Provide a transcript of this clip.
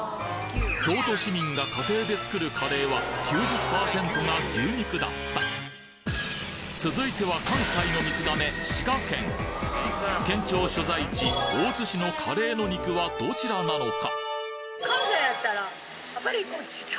京都市民が家庭で作るカレーは９０％が牛肉だった続いては関西の水瓶県庁所在地大津市のカレーの肉はどちらなのか？